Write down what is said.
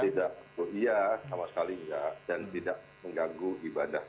tidak oh iya sama sekali enggak dan tidak mengganggu ibadah